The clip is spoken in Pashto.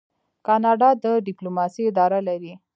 کاناډا د ډیپلوماسۍ اداره لري.